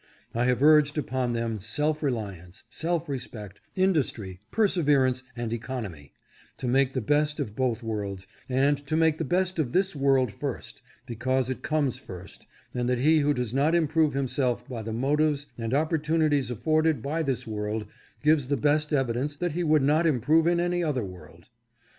I have urged upon them self reliance, self respect, industry, persever ance, and economy, to make the best of both worlds, but to make the best of this world first because it comes first, and that he who does not improve himself by the motives and opportunities afforded by this world gives the best evidence that he would not improve in any other world.